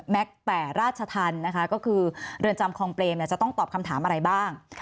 แต่ราชธรรมนะคะก็คือเรือนจำคลองเปรมจะต้องตอบคำถามอะไรบ้าง